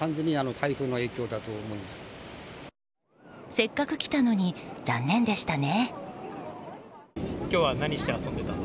せっかく来たのに残念でしたね。